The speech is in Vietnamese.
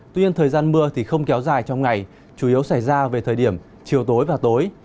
tuy thời gian mưa thì không kéo dài trong ngày chủ yếu xảy ra về thời điểm chiều tối và tối